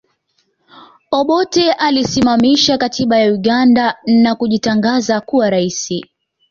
Obote aliisimamisha katiba ya Uganda na kujitangaza kuwa rais